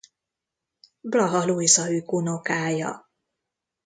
Blaha Lujza ükunokája.